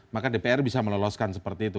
maka dpr bisa meloloskan seperti itu